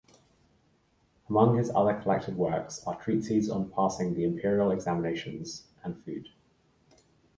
Among his other collected works are treatises on passing the imperial examinations and food.